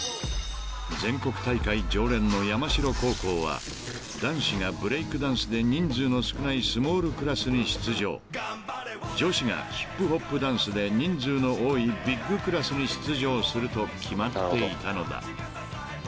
［全国大会常連の山城高校は男子がブレイクダンスで人数の少ないスモールクラスに出場女子がヒップホップダンスで人数の多いビッグクラスに出場すると決まっていたのだ］